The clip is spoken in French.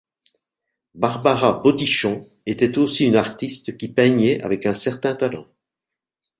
Barbara Bodichon était aussi une artiste qui peignait avec un certain talent.